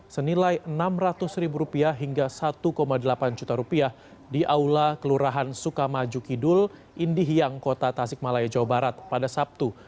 senilai rp enam ratus hingga rp satu delapan juta di aula kelurahan sukamaju kidul indihiyang kota tasikmalaya jawa barat pada sabtu